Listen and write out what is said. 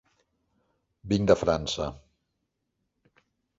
Vinc de França.